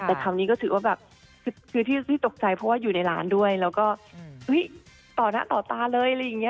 แต่คราวนี้ก็ถือว่าแบบคือที่ตกใจเพราะว่าอยู่ในร้านด้วยแล้วก็ต่อหน้าต่อตาเลยอะไรอย่างนี้